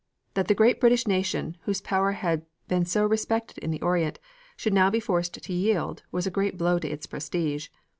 That the great British nation, whose power had been so respected in the Orient, should now be forced to yield, was a great blow to its prestige.